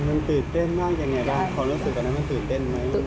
มันตื่นเต้นมากยังไงได้ความรู้สึกตอนนั้นมันตื่นเต้นไหม